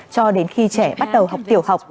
cho đến khi trẻ bắt đầu học tiểu học